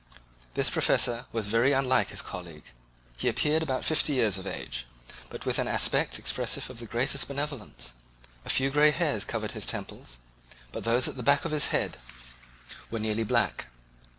This professor was very unlike his colleague. He appeared about fifty years of age, but with an aspect expressive of the greatest benevolence; a few grey hairs covered his temples, but those at the back of his head were nearly black.